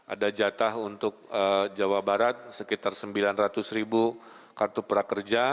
ada jatah untuk jawa barat sekitar sembilan ratus ribu kartu prakerja